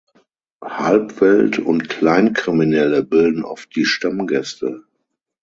Halbwelt und Kleinkriminelle bilden oft die Stammgäste.